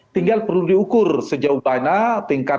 tinggal perlu diukur sejauh mana tingkat apa tuh tingkat